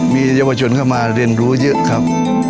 มีเยาวชนเข้ามาเรียนรู้เยอะครับ